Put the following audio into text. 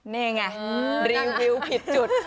นี่ไงรีวิวผิดจุด